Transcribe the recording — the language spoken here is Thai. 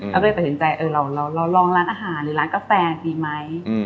แล้วเราก็ประสิทธิ์ใจเราลองร้านอาหารหรือร้านกาแฟนดีมั้ย